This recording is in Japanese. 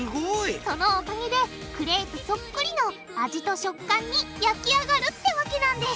そのおかげでクレープそっくりの味と食感に焼き上がるってわけなんです！